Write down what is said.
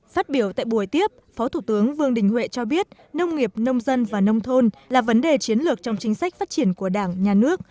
phát biểu tại buổi tiếp phó thủ tướng vương đình huệ cho biết nông nghiệp nông dân và nông thôn là vấn đề chiến lược trong chính sách phát triển của đảng nhà nước